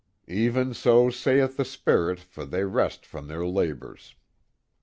Even so saith the spirit, for they rest from their labors."